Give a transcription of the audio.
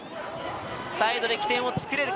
サイドで起点を作れるか？